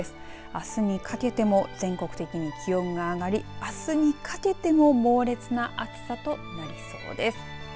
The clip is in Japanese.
あすにかけても全国的に気温が上がりあすにかけても猛烈な暑さとなりそうです。